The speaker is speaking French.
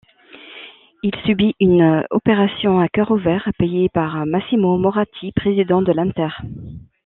Il subit une opération à cœur ouvert, payée par Massimo Moratti président de l'Inter.